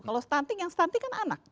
kalau stunting yang stunting kan anak